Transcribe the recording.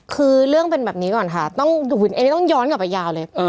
คือเรื่องเป็นแบบนี้ก่อนค่ะอันนี้ต้องย้อนกลับไปยาวเลย